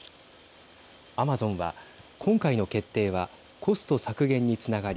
アマゾンは今回の決定はコスト削減につながり